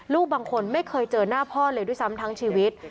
ลูกบางคนไม่เคยเจอหน้าพ่อเลยด้วยซ้ำทั้งชีวิต